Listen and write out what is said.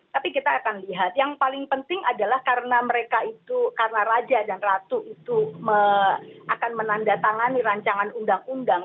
tapi kita akan lihat yang paling penting adalah karena mereka itu karena raja dan ratu itu akan menandatangani rancangan undang undang